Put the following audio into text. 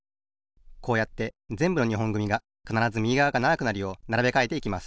こうやってぜんぶの２ほんぐみがかならずみぎがわがながくなるようならべかえていきます。